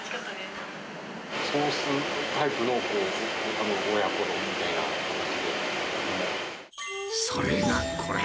ソースタイプの親子丼みたいそれがこれ。